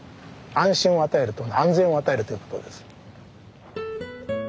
安心を与える安全を与えるということです。